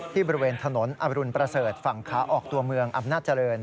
บริเวณถนนอรุณประเสริฐฝั่งขาออกตัวเมืองอำนาจเจริญ